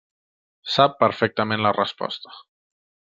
Sap perfectament la resposta.